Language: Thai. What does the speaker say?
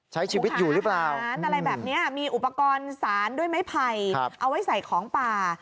ใช้ชีวิตอยู่หรือเปล่าสารอะไรแบบนี้มีอุปกรณ์สารด้วยไม้ไผ่เอาไว้ใส่ของป่า